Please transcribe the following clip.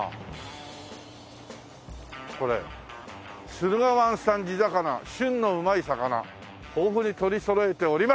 「駿河湾産地魚旬の旨い魚」「豊富に取り揃えており」